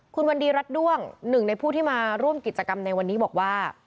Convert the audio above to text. คุณวันดีรัฐด้วงหนึ่งในผู้ที่มาร่วมกิจกรรมในวันนี้บอกว่า